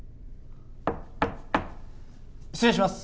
失礼します。